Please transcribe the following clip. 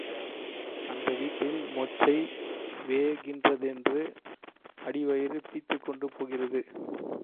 அடுத்த வீட்டில் மொச்சை வேகிறதென்று அடிவயிறு பிய்த்துக் கொண்டு போகிறது.